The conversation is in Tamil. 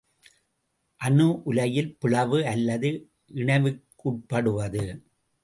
அணு உலையில் பிளவு அல்லது இணைவுக்குட்படுவது.